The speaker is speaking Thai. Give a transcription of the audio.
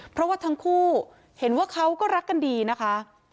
เพราะว่าทั้งคู่เห็นว่าเขาก็รักกันดีนะคะ